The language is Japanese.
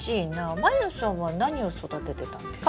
満里奈さんは何を育ててたんですか？